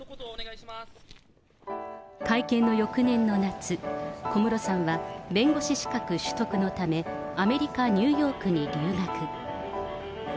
会見の翌年の夏、小室さんは、弁護士資格取得のため、アメリカ・ニューヨークに留学。